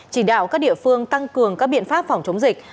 chỉ đạo các địa phương tăng cường các biện pháp phòng chống dịch